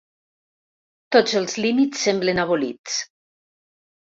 Tots els límits semblen abolits.